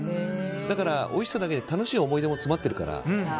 だからおいしさと楽しい思い出も詰まっているから。